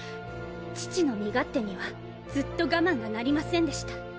父の身勝手にはずっと我慢がなりませんでした。